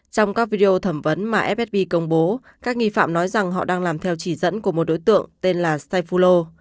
trong các video thẩm vấn mà fsb công bố các nghi phạm nói rằng họ đang làm theo chỉ dẫn của một đối tượng tên là say fulo